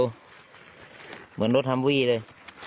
เหมือนรถทำวีเลย